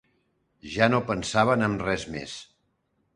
Ja no pensaven en res més